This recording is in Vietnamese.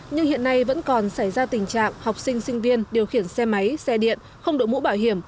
nhưng hiện nay vẫn còn xảy ra tình trạng học sinh sinh viên điều khiển xe máy xe điện không đội mũ bảo hiểm